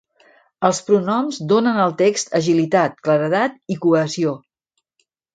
Els pronoms donen al text agilitat, claredat i cohesió.